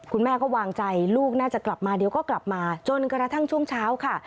คุณแม่ก็วางใจลูกน่าจะกลับมาเดี๋ยวก็กลับมาจนกระทั่งช่วงเช้าค่ะ